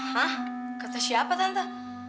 hah kata siapa tante